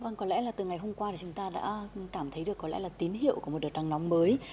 vâng có lẽ là từ ngày hôm qua thì chúng ta đã cảm thấy được có lẽ là tín hiệu của một đợt nắng nóng mới